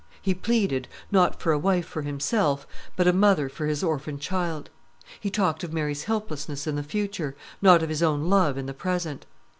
He pleaded, not for a wife for himself, but a mother for his orphan child. He talked of Mary's helplessness in the future, not of his own love in the present.